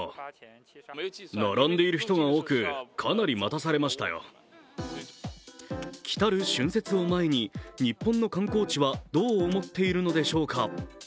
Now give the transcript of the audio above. そのため来る春節を前に日本の観光地はどう思っているのでしょうか。